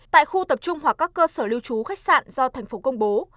tại khu tập trung hoặc các cơ sở lưu trú khách sạn do tp hcm công bố